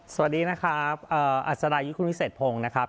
สวัสดีนะครับอัศรายุทธ์คุณวิเศษพงศ์นะครับ